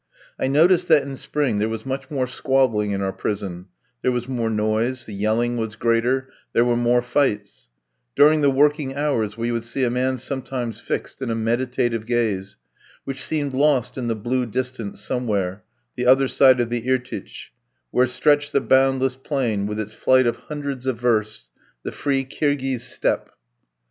I noticed that in spring there was much more squabbling in our prison; there was more noise, the yelling was greater, there were more fights; during the working hours we would see a man sometimes fixed in a meditative gaze, which seemed lost in the blue distance somewhere, the other side of the Irtych, where stretched the boundless plain, with its flight of hundreds of versts, the free Kirghiz Steppe.